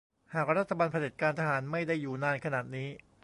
หากรัฐบาลเผด็จการทหารไม่ได้อยู่นานขนาดนี้